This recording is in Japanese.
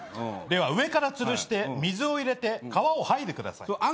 では上からつるして水を入れて皮を剥いでください。